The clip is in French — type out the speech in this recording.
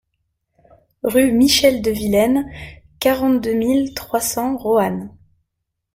Rue Michel Devillaine, quarante-deux mille trois cents Roanne